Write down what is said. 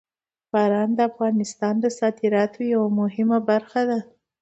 باران د افغانستان د صادراتو یوه مهمه برخه ده.